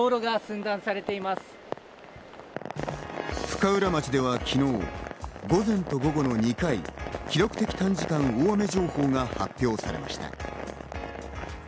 深浦町では昨日、午前と午後の２回、記録的短時間大雨情報が発表されました。